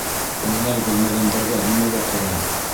Уйнай белмәгәндәргә нимәгә ҡурай?